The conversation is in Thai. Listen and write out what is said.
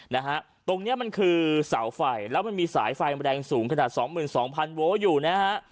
นะฮะตรงเนี้ยมันคือเสาไฟแล้วมันมีสายไฟแรงสูงขนาดสองหมื่นสองพันโว้อยู่นะฮะ